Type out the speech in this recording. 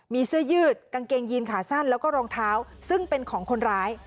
มีเสื้อยืดกางเกงยีนขาสั้นแล้วก็รองเท้าซึ่งเป็นของคนร้าย